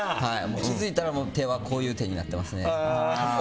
気づいたら、手はこういう手になってますね。